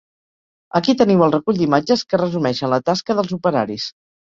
Aquí teniu el recull d’imatges que resumeixen la tasca dels operaris.